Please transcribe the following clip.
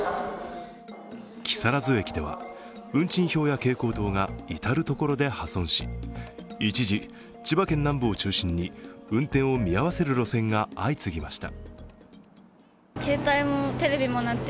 木更津駅では運賃表や蛍光灯が至る所で破損し、一時、千葉県南部を中心に運転を見合わせる路線が相次ぎました。